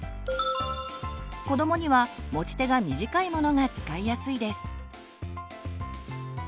こどもには持ち手が短いものが使いやすいです。